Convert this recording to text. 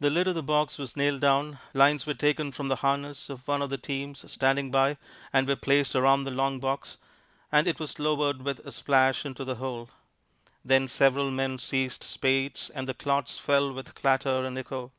The lid of the box was nailed down, lines were taken from the harness of one of the teams standing by and were placed around the long box, and it was lowered with a splash into the hole. Then several men seized spades and the clods fell with clatter and echo.